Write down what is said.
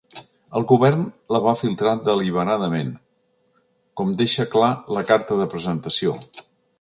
El govern la va filtrar deliberadament, com deixa clar la carta de presentació.